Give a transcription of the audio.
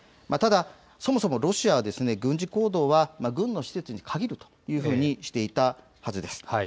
ただ、そもそもロシアは軍事行動は軍の施設に限るとしていたはずです。